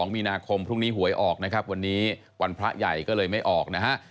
มีนาคมพรุ่งนี้หวยออกนะครับวันนี้วันพระใหญ่ก็เลยไม่ออกนะฮะ